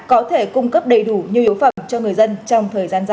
có thể cung cấp đầy đủ nhu yếu phẩm cho người dân trong thời gian dài